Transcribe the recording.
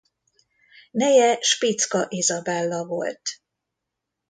Neje Spitzka Izabella volt.